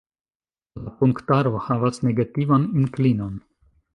La punktaro havas negativan inklinon.